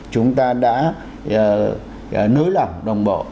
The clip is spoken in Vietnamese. chúng ta đã nới lỏng đồng bộ